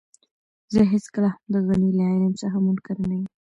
زه هېڅکله هم د غني له علم څخه منکر نه يم.